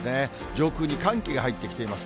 上空に寒気が入ってきています。